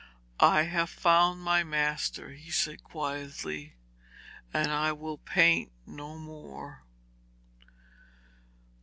'I have found my master,' he said quietly, 'and I will paint no more.'